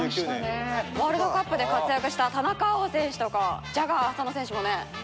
ワールドカップで活躍した田中碧選手とかジャガー浅野選手もね。